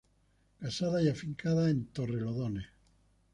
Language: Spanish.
Casada y afincada en Torrelodones.